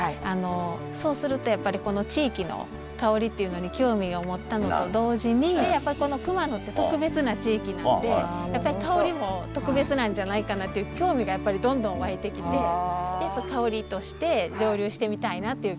そうするとやっぱりこの地域の香りっていうのに興味を持ったのと同時にやっぱりこの熊野って特別な地域なのでやっぱり香りも特別なんじゃないかなっていう興味がやっぱりどんどん湧いてきて香りとして蒸留してみたいなっていう